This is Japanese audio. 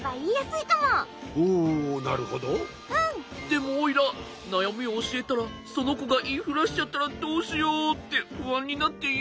でもおいらなやみをおしえたらそのこがいいふらしちゃったらどうしようってふあんになっていえないかも。